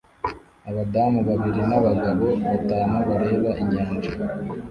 Abadamu babiri nabagabo batatu bareba inyanja